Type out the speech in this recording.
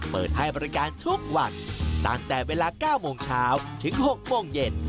เปิดให้บริการทุกวันตั้งแต่เวลา๙โมงเช้าถึง๖โมงเย็น